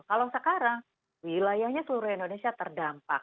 kalau sekarang wilayahnya seluruh indonesia terdampak